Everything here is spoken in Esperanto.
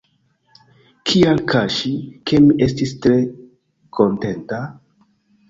Kial kaŝi, ke mi estis tre kontenta?.